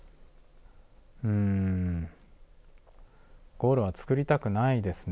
ゴールは作りたくないですね。